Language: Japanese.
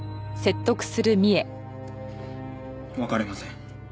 別れません。